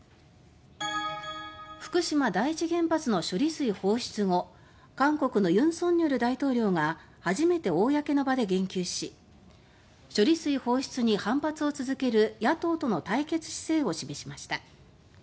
福島第一原発の処理水放出後韓国の尹錫悦大統領が初めて公の場で言及し処理水放出に反発を続ける野党との対決姿勢を示しました。